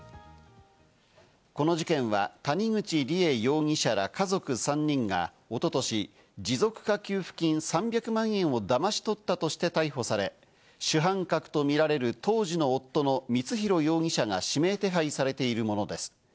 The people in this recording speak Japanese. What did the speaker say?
この事件は谷口梨恵容疑者ら家族３人が一昨年、持続化給付金３００万円をだまし取ったとして逮捕され、主犯格とみられる当時の夫の光弘容疑者が指名手配されているものです。